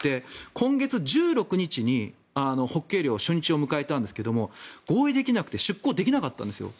今月１６日にホッケ漁初日を迎えたんですが合意できなくて出港できなかったんですよ。